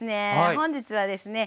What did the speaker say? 本日はですね